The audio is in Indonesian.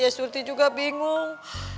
ya suti juga bingung